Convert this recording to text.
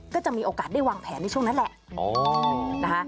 ก็จะมีโอกาสได้วางแผนในช่วงนั้นแหละ